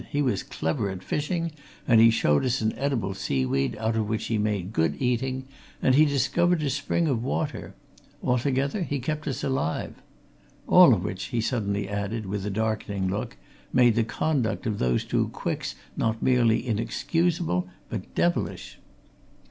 He was clever at fishing, and he showed us an edible sea weed out of which he made good eating, and he discovered a spring of water altogether he kept us alive. All of which," he suddenly added, with a darkening look, "made the conduct of these two Quicks not merely inexcusable, but devilish!"